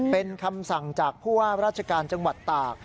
เป็นคำสั่งจากผู้ว่าราชการจังหวัดตาก